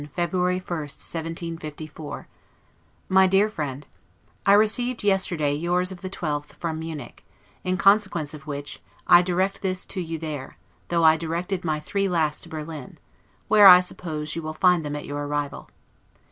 Adieu. LETTER CXCIV LONDON, February 1, 1754 MY DEAR FRIEND: I received, yesterday, yours of the 12th, from Munich; in consequence of which, I direct this to you there, though I directed my three last to Berlin, where I suppose you will find them at your arrival.